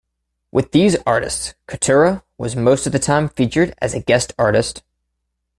With these Artists Cottura was most of the time featured as a guest artist.